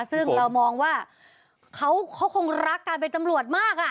ซึ่งเรามองว่าเขาคงรักการเป็นตำรวจมาก